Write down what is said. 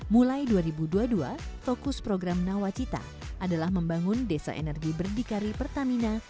mulai dua ribu dua puluh dua fokus program nawacita adalah membangun desa energi berdikari pertamina